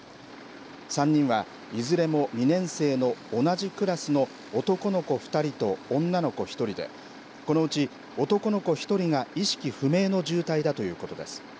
３人はいずれも２年生の同じクラスの男の子２人と女の子１人でこのうち男の子１人が意識不明の重体だということです。